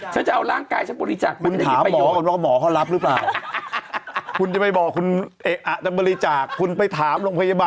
ฉันจะเอาร่างกายฉันบริจาคเถอะนุ่ม